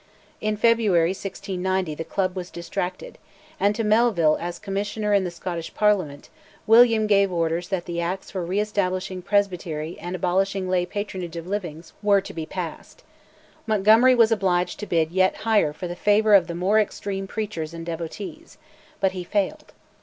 In February 1690 the Club was distracted; and to Melville, as Commissioner in the Scottish Parliament, William gave orders that the Acts for re establishing Presbytery and abolishing lay patronage of livings were to be passed. Montgomery was obliged to bid yet higher for the favour of the more extreme preachers and devotees, but he failed.